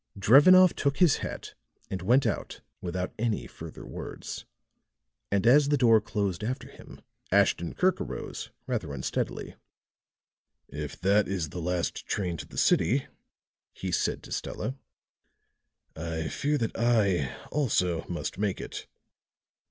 Drevenoff took his hat and went out without any further words. And as the door closed after him, Ashton Kirk arose, rather unsteadily. "If that is the last train to the city," he said to Stella, "I fear that I, also, must make it."